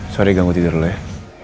sorry gak mau tidur dulu ya